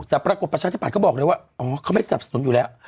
แต่ปรากฏประชาธิบัตยก็บอกเลยว่าอ๋อเขาไม่สนับสนุนอยู่แล้ว